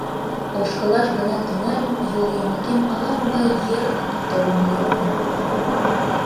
Ошкылаш гына тӱҥальым, йол йымакем ала-могай йырнык толын лекте.